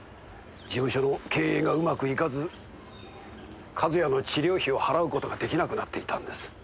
事務所の経営がうまくいかず和也の治療費を払う事が出来なくなっていたんです。